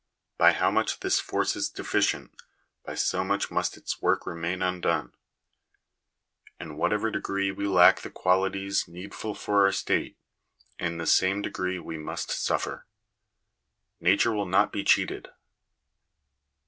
By how much this force is deficient, by so much must its work remain undone. In what ever degree we lack the qualities needful for our state, in the same degree must we suffer. Nature will not be cheated.